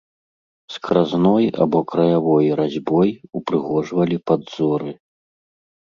Скразной або краявой разьбой упрыгожвалі падзоры.